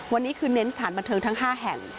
วันนี้คือเน้นสถานบันเทิงทั้ง๕แห่ง